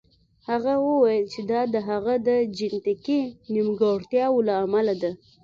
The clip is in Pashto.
هغه وویل چې دا د هغه د جینیتیکي نیمګړتیا له امله ده